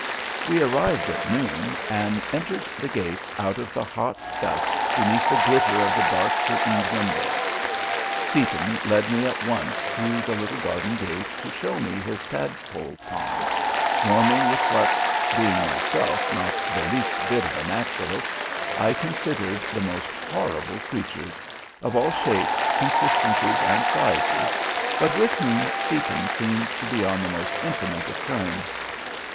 We arrived at noon, and entered the gates out of the hot dust beneath the glitter of the dark curtained windows. Seaton led me at once through the little garden gate to show me his tadpole pond, swarming with what, being myself not the least bit of a naturalist, I considered the most horrible creatures of all shapes, consistencies, and sizes, but with whom Seaton seemed to be on the most intimate of terms.